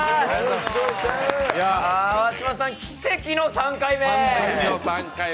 川島さん、奇跡の３回目！